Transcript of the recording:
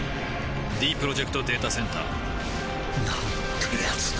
ディープロジェクト・データセンターなんてやつなんだ